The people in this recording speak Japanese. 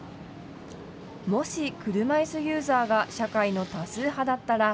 もし車いすユーザーが社会の多数派だったら。